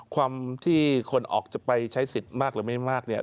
ความที่คนออกจะไปใช้สิทธิ์มากหรือไม่มากเนี่ย